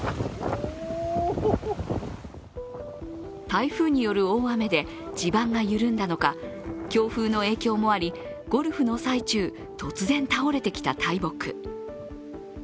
台風による大雨で地盤が緩んだのか、強風の影響もあり、ゴルフの最中、突然倒れてきた大木。